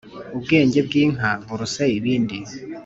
Ubwenge bw'inka buruse ibindi.